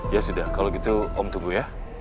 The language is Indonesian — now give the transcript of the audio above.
ya sudah kalau gitu om tunggu ya